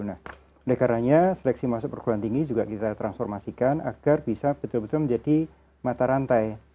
nah oleh karenanya seleksi masuk perguruan tinggi juga kita transformasikan agar bisa betul betul menjadi mata rantai